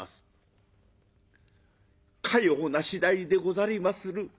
「かような次第でござりまする。